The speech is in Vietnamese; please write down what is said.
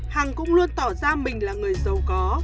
hằng cũng luôn tỏ ra mình là người giàu có